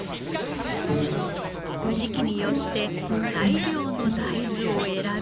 時期によって最良の大豆を選び